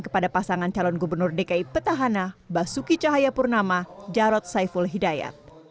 kepada pasangan calon gubernur dki petahana basuki cahayapurnama jarod saiful hidayat